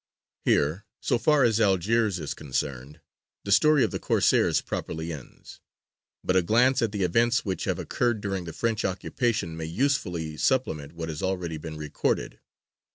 Here, so far as Algiers is concerned, the Story of the Corsairs properly ends. But a glance at the events which have occurred during the French occupation may usefully supplement what has already been recorded.